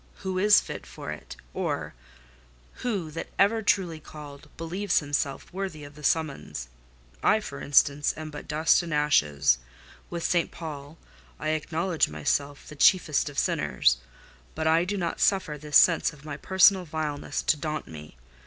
Who is fit for it? Or who, that ever was truly called, believed himself worthy of the summons? I, for instance, am but dust and ashes. With St. Paul, I acknowledge myself the chiefest of sinners; but I do not suffer this sense of my personal vileness to daunt me.